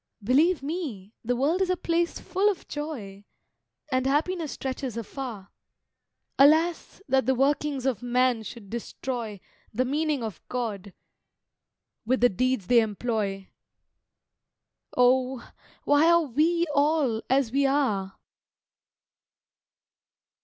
Believe me, the world is a place full of joy, And happiness stretches afar: Alas! that the workings of man should destroy The meaning of God, with the deeds they employ, Oh! why are we all as we are?